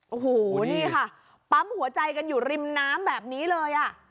โอ้โหนี่ค่ะปั๊มหัวใจกันอยู่ริมน้ำแบบนี้เลยอ่ะ